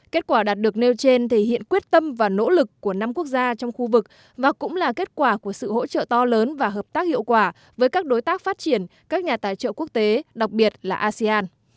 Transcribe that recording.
kết quả đạt được nêu trên thể hiện quyết tâm và nỗ lực của năm quốc gia trong khu vực và cũng là kết quả của sự hỗ trợ to lớn và hợp tác hiệu quả với các đối tác phát triển các nhà tài trợ quốc tế đặc biệt là asean